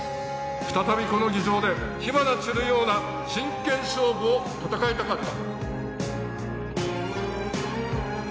再びこの議場で火花散るような真剣勝負を戦いたかった。